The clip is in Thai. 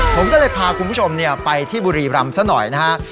ผมก็เลยพาคุณผู้ชมไปที่บุรีรำซะหน่อยนะฮะ